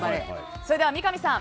それでは三上さん